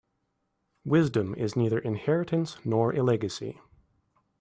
Wisdom is neither inheritance nor a legacy.